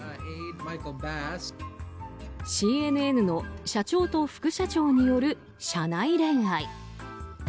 ＣＮＮの社長と副社長による社内恋愛。